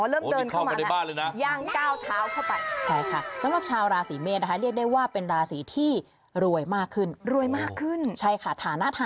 อ๋อเริ่มเดินเข้ามาในบ้านเลยนะ